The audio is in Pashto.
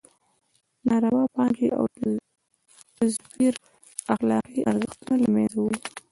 ناروا پانګې او تزویر اخلاقي ارزښتونه له مېنځه وړي.